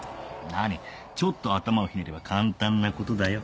何ちょっと頭をひねれば簡単な事だよ。